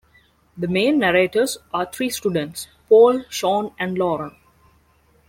The main narrators are three students: Paul, Sean, and Lauren.